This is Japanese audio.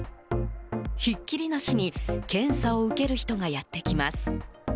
ひっきりなしに検査を受ける人がやってきます。